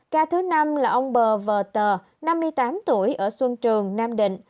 cả thứ năm là ông b v t năm mươi tám tuổi ở xuân trường nam định